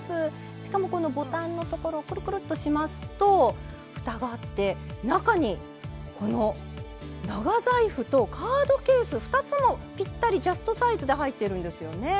しかもこのボタンのところクルクルッとしますとふたがあって中にこの長財布とカードケース２つもぴったりジャストサイズで入ってるんですよね。